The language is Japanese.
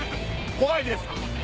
怖いです！